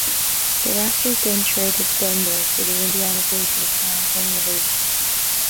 The Raptors then traded Bender to the Indiana Pacers for Antonio Davis.